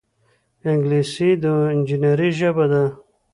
انګلیسي د انجینرۍ ژبه ده